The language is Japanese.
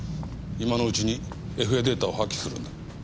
今のうちにＦＡデータを破棄するんだ。